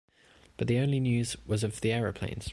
But the only news was of the aeroplanes.